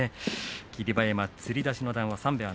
霧馬山、つり出しの談話でした。